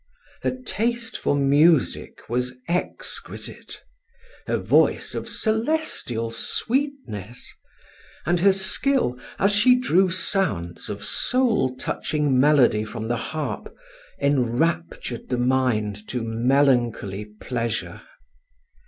Her taste for music was exquisite; her voice of celestial sweetness; and her skill, as she drew sounds of soul touching melody from the harp, enraptured the mind to melancholy pleasure.